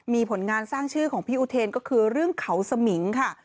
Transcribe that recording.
มีผลงานสร้างชื่อของพี่อุเทนก็คือเรื่องเขาสมิงค่ะ